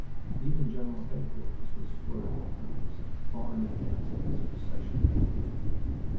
Even General Headquarters was flurried at times, far in advance of this procession backward.